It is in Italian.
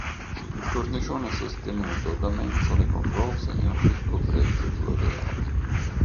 Il cornicione è sostenuto da mensole con rose e un ricco fregio floreale.